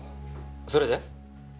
それで？